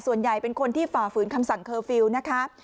ส่วนใหญ่เป็นคนที่ฝ่าฝืนคำสั่งเคอร์ฟิลล์นะคะ